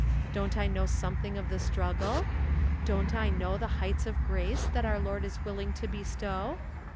Don't I know something of the struggle ? Don't I know the heights of grace that our Lord is willing to bestow